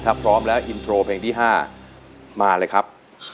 ถ้าพร้อมแล้วอินโทรเพลงที่๕มาเลยครับ